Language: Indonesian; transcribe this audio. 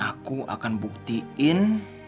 aku akan buktiin